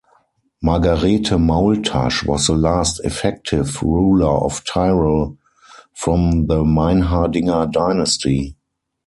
Margarete "Maultasch" was the last effective ruler of Tyrol from the Meinhardinger Dynasty.